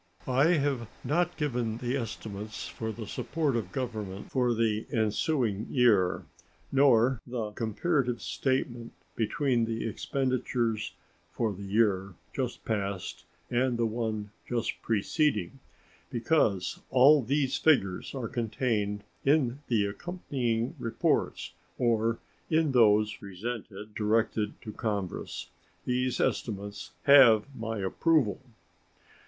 I have not given the estimates for the support of Government for the ensuing year, nor the comparative statement between the expenditures for the year just passed and the one just preceding, because all these figures are contained in the accompanying reports or in those presented directly to Congress. These estimates have my approval.